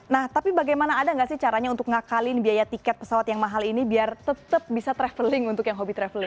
nah tapi bagaimana ada nggak sih caranya untuk ngakalin biaya tiket pesawat yang mahal ini biar tetap bisa traveling untuk yang hobi traveling